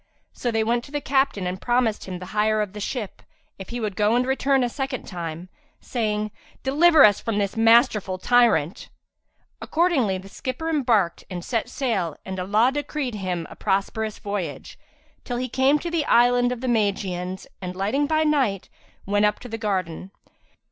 So they went to the captain and promised him the hire of the ship, if he would go and return a second time, saying, "Deliver us from this masterful tyrant." Accordingly the skipper embarked and set sail and Allah decreed him a prosperous voyage, till he came to the Island of the Magians and, landing by night, went up to the garden.